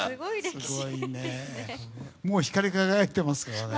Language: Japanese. もう光り輝いてますね。